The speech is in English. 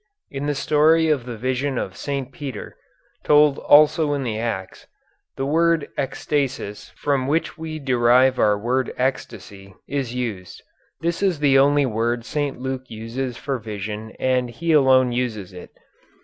In the story of the vision of St. Peter, told also in the Acts, the word ecstasis, from which we derive our word ecstasy, is used. This is the only word St. Luke uses for vision and he alone uses it.